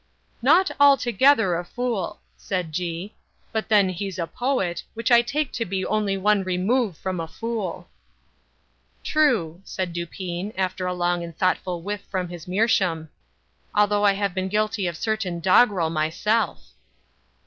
"Not altogether a fool," said G., "but then he's a poet, which I take to be only one remove from a fool." "True," said Dupin, after a long and thoughtful whiff from his meerschaum, "although I have been guilty of certain doggrel myself."